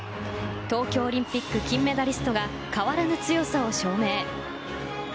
東京オリンピック金メダリストが変わらぬ強さを証明。